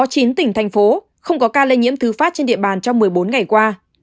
có chín tỉnh thành phố không có ca lây nhiễm thứ phát trên địa bàn trong một mươi bốn ngày qua